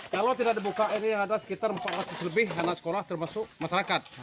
kalau tidak dibuka ini ada sekitar empat ratus lebih anak sekolah termasuk masyarakat